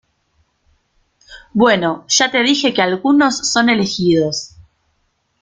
bueno, ya te dije que algunos son elegidos